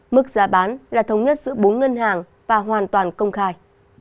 mức giá bán là thống nhất giữa bốn ngân hàng và hoàn toàn công khai